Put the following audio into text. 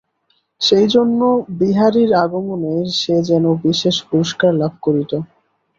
সেইজন্য বিহারীর আগমনে সে যেন বিশেষ পুরষ্কার লাভ করিত।